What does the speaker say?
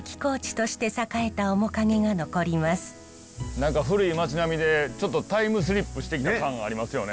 何か古い町並みでちょっとタイムスリップしてきた感ありますよね。